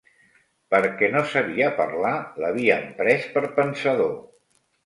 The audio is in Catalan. Perquè no sabia parlar, l’havien pres per pensador